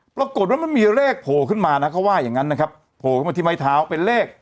ปรากฏว่ามันมีเลขโผล่ขึ้นมานะเขาว่าอย่างนั้นนะครับโผล่ขึ้นมาที่ไม้เท้าเป็นเลข